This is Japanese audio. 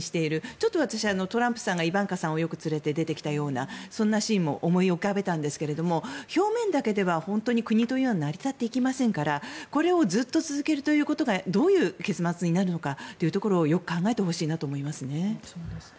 ちょっと私はトランプさんがイバンカさんをよく連れて出てきたような、そんなシーンも思い浮かべたんですが表面だけでは本当に国というのは成り立っていきませんからこれをずっと続けることがどういう結末になるかというところをよく考えてほしいなと思いますね。